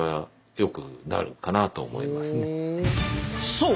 そう！